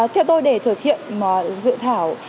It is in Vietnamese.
theo tôi để thực hiện dự thảo